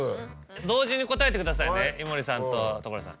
同時に答えてくださいね井森さんと所さん。